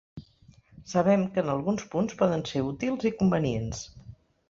Sabem que en alguns punts poden ser útils i convenients.